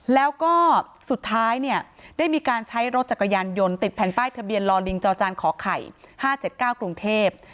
แล้วก็สุดท้ายเนี่ยได้มีการใช้รถจักรยานยนต์ติดแผ่นป้ายทะเบียนลอลิงจอจานขอไข่๕๗๙กรุงเทพ